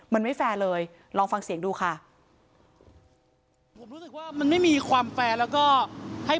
มันไม่แฟร์เลยลองฟังเสียงดูค่ะ